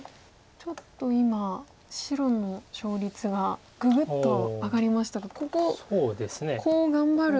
ちょっと今白の勝率がぐぐっと上がりましたがここコウを頑張る。